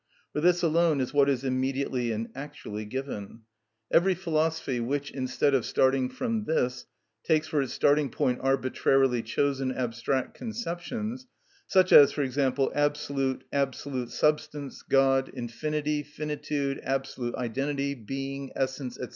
For this alone is what is immediately and actually given. Every philosophy which, instead of starting from this, takes for its starting point arbitrarily chosen abstract conceptions, such as, for example, absolute, absolute substance, God, infinity, finitude, absolute identity, being, essence, &c.